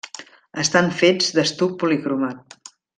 Estan fets d'estuc policromat.